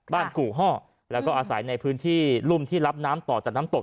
กู่ฮ่อแล้วก็อาศัยในพื้นที่รุ่มที่รับน้ำต่อจากน้ำตก